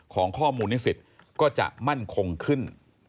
ข้อมูลนิสิตก็จะมั่นคงขึ้น